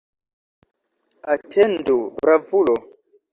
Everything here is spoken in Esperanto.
Atendu, bravulo!